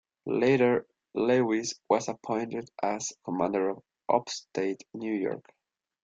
Later, Lewis was appointed as commander of upstate New York.